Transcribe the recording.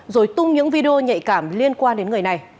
rồi tung những video nhạy cảm liên quan đến người này